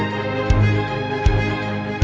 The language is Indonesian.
aku sudah jelasin ke mereka